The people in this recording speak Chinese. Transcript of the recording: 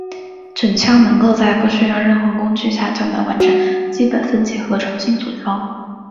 整枪能够在不需任何工具下就能完成基本分解和重新组装。